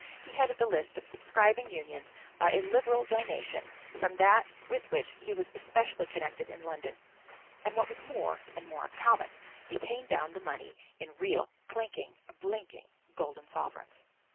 He headed the list of subscribing Unions, by a liberal donation from that with which he was especially connected in London; and what was more, and more uncommon, he paid down the money in real, clinking, blinking, golden sovereigns!